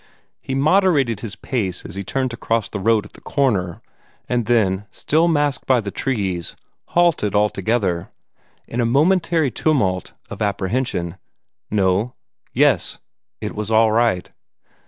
He moderated his pace as he turned to cross the road at the corner, and then, still masked by the trees, halted altogether, in a momentary tumult of apprehension. No yes it was all right.